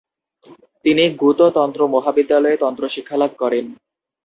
তিনি গ্যুতো তন্ত্র মহাবিদ্যালয়ে তন্ত্র শিক্ষালাভ করেন।